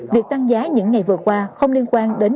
việc tăng giá những ngày vừa qua không liên quan đến